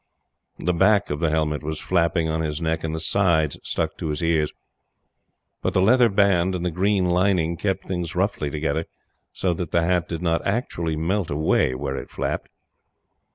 The back of the helmet was flapping on his neck and the sides stuck to his ears, but the leather band and green lining kept things roughly together, so that the hat did not actually melt away where it flapped.